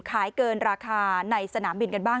ขายเกินราคาในสนามบินกันบ้าง